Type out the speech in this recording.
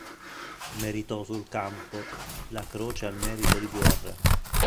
Meritò sul campo la Croce al Merito di Guerra.